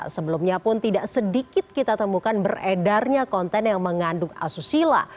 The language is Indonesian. sebelumnya pun tidak sedikit kita temukan beredarnya konten yang mengandung asusila